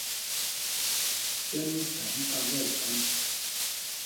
Tɛ́m í thaŋ kámb nɛ kámb.